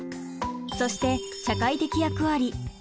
そして社会的役割。